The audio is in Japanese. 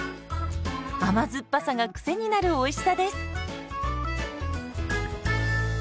甘酸っぱさがクセになるおいしさです。